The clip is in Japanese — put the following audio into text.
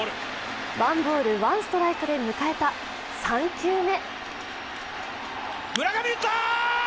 ワンボール、ワンストライクで迎えた３球目。